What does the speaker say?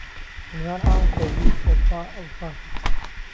لە نێوان ئەوان کۆڤی-ئەڵپا ئەڵپاکە.